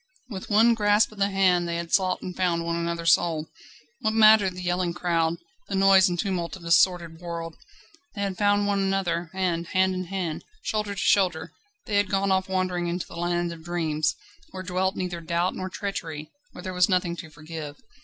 With one grasp of the hand they had sought and found one another's soul. What mattered the yelling crowd, the noise and tumult of this sordid world? They had found one another, and, hand in hand, shoulder to shoulder, they had gone off wandering into the land of dreams, where dwelt neither doubt nor treachery, where there was nothing to forgive.